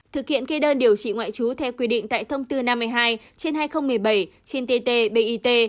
thực kiện kê đơn điều trị ngoại trú theo quy định tại thông tư năm mươi hai trên hai nghìn một mươi bảy trên tet bit